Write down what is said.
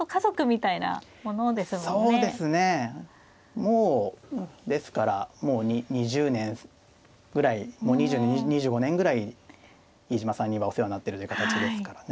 もうですからもう２０年ぐらい２５年ぐらい飯島さんにはお世話になってるっていう形ですからね。